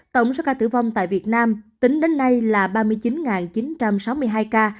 tổng số ca tử vong tại việt nam tính đến nay là ba mươi chín chín trăm sáu mươi hai ca